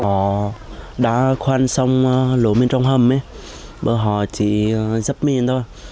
họ đã khoan xong lối bên trong hầm bọn họ chỉ giúp mình thôi